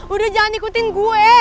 udah jangan ikutin gue